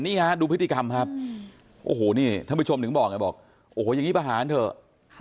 นี่ค่ะดูพฤติกรรมครับโอ้โหนี่ท่านผู้ชมหนึ่งบอกอย่างนี้ประหารเถอะ